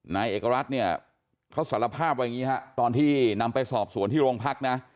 นายเอกรัฐเนี่ยเขาสารภาพว่าอย่างนี้ฮะตอนที่นำไปสอบสวนที่โรงพักนะ